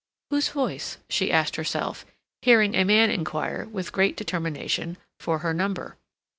"Whose voice?" she asked herself, hearing a man inquire, with great determination, for her number.